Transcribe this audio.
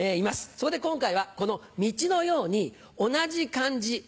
そこで今回はこの「道」のように同じ漢字